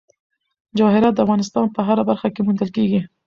جواهرات د افغانستان په هره برخه کې موندل کېږي.